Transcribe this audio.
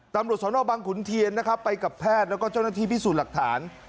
ตำรวจสนบังขุนเทียนนะครับไปกับแพทย์แล้วก็เจ้าหน้าที่พิสูจน์หลักฐาน